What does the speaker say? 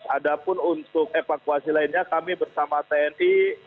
ada pun untuk evakuasi lainnya kami bersama tni